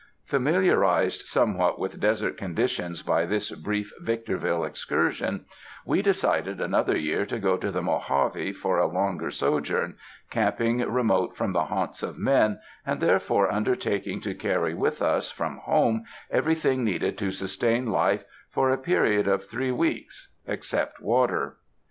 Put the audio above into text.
Familiarized somewhat with desert conditions by this brief Victorville excursion, we decided another year to go to the Mojave for a longer sojourn, camping remote from the haunts of men and there fore undertaking to carry with us from home every thing needed to sustain life for a period of three weeks, except water.